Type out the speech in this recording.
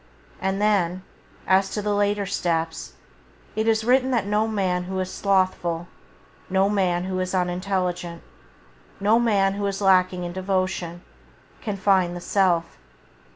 And then, as to the later steps, it is written that no man who is slothful, no man who is unintelligent, no man who is lacking in devotion, can find the Self.